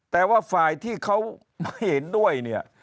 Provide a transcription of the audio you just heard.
แต่ว่าฝ่ายที่เขาไม่เห็นด้วยเนี่ย